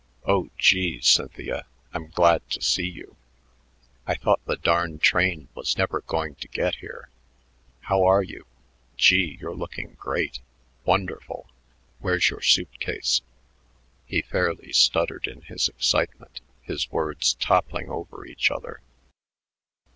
"Oh, gee, Cynthia, I'm glad to see you. I thought the darn train was never going to get here. How are you? Gee, you're looking great, wonderful. Where's your suit case?" He fairly stuttered in his excitement, his words toppling over each other.